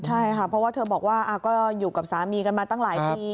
ใช่ค่ะเพราะว่าเธอบอกว่าก็อยู่กับสามีกันมาตั้งหลายปี